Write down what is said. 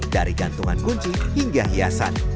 dari gantungan kunci hingga hiasan